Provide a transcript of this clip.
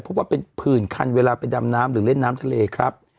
พบว่าเป็นผื่นคันเวลาไปดำน้ำหรือเล่นน้ำทะเลครับ